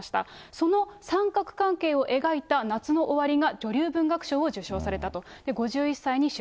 その三角関係を描いた夏の終りが女流文学賞を受賞されたと。